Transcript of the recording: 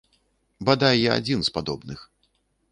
Бадай, я адзін з падобных.